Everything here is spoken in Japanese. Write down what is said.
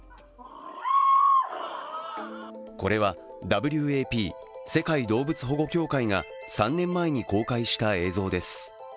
これはＷＡＰ＝世界動物保護協会が３年前に公開した映像です。